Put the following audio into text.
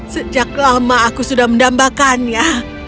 sejak lama aku sudah mendambakannya